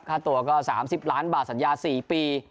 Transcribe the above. ค่าตัวก็๓๐๐๐๐๐๐๐บาทสัญญา๔ปี